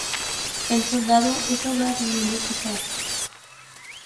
El soldado es obra de Emilio Pizarro.